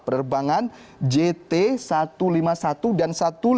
penerbangan jt satu ratus lima puluh satu dan satu ratus delapan puluh